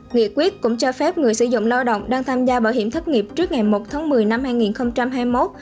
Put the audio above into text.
nghị quyết cũng cho phép người sử dụng lao động đang tham gia bảo hiểm thất nghiệp trước ngày một tháng một mươi năm hai nghìn hai mươi một